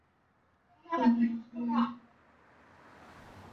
此外在糖厂办公室前方不远处摆有蒋公堤碑与压路滚轮纪念碑。